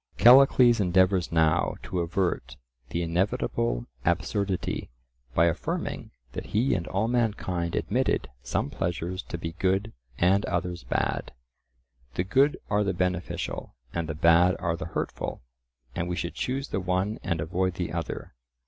Callicles endeavours now to avert the inevitable absurdity by affirming that he and all mankind admitted some pleasures to be good and others bad. The good are the beneficial, and the bad are the hurtful, and we should choose the one and avoid the other.